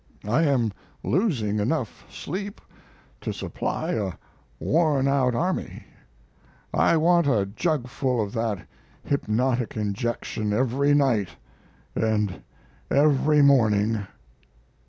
I am losing enough sleep to supply a worn out army. I want a jugful of that hypnotic injunction every night and every morning."